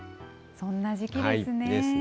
そんな時期ですね。